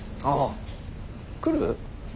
ああ来る？